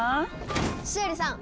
シエリさん！